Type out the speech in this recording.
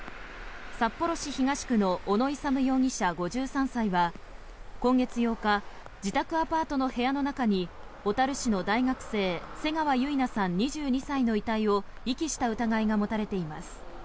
札幌市東区の小野勇容疑者、５３歳は今月８日自宅アパートの部屋の中に小樽市の大学生瀬川結菜さん、２２歳の遺体を遺棄した疑いが持たれています。